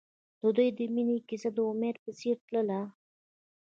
د دوی د مینې کیسه د امید په څېر تلله.